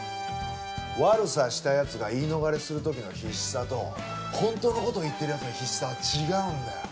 悪さした奴が言い逃れする時の必死さと本当の事を言ってる奴の必死さは違うんだよ。